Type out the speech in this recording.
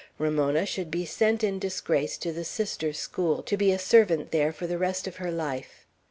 Ramona should be sent in disgrace to the Sisters' School, to be a servant there for the rest of her life.